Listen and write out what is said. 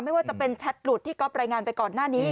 ไม่ว่าจะเป็นแชทหลุดที่ก๊อฟรายงานไปก่อนหน้านี้